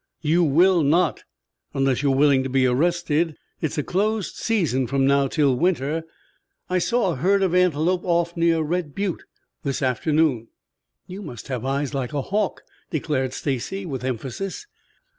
"You will not unless you are willing to be arrested. It's a closed season from now till winter. I saw a herd of antelope off near Red Butte this afternoon." "You must have eyes like a hawk," declared Stacy, with emphasis.